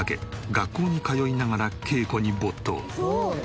学校に通いながら稽古に没頭。